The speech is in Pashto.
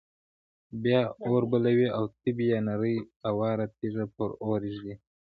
بیا اور بلوي او تبۍ یا نرۍ اواره تیږه پر اور ږدي.